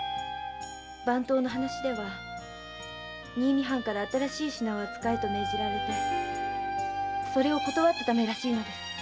番頭の話では新見藩から新しい品を扱えと命じられてそれを断ったためらしいのです。